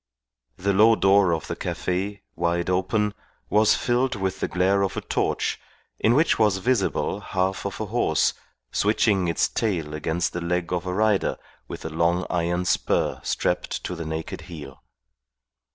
The low door of the cafe, wide open, was filled with the glare of a torch in which was visible half of a horse, switching its tail against the leg of a rider with a long iron spur strapped to the naked heel.